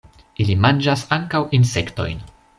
Ili manĝas ankaŭ insektojn.